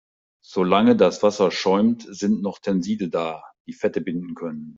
Solange das Wasser schäumt, sind noch Tenside da, die Fette binden können.